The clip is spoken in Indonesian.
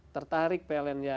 tertarik pln ya